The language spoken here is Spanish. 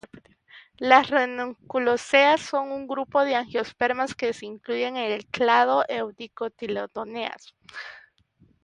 Las ranunculáceas son un grupo de angiospermas que se incluyen en el clado eudicotiledóneas.